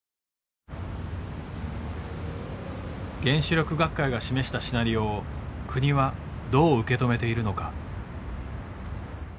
原子力学会が示したシナリオを国はどう受け止めているのか。